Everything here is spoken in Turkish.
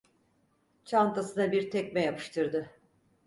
Çantasına bir tekme yapıştırdı.